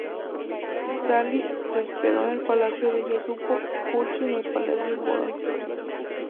Stalin se hospedó en el palacio de Yusúpov y Churchill en el palacio Vorontsov.